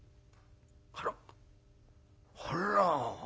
「あら！あら」